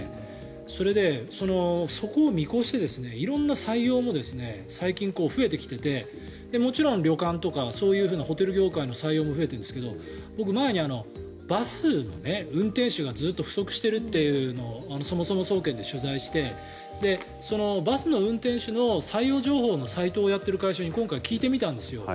それで、そこを見越して色んな採用も最近、増えてきていてもちろん旅館とかそういうホテル業界の採用も増えているんですけど僕、前にバスの運転手がずっと不足しているというのをそもそも総研で取材してバスの運転手の採用情報のサイトをやっている会社に今回、聞いてみたんですよ。